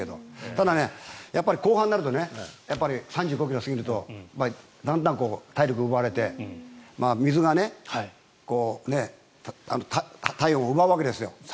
ただ後半になると３５ｋｍ過ぎるとだんだん体力、奪われて水が体温を奪うわけですよ。